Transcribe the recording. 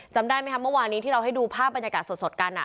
จำได้ไหมครับเมื่อวานนี้ที่เราให้ดูภาพบรรยากาศสดกัน